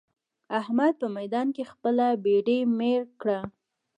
احمد په ميدان کې خپله بېډۍ مير کړه.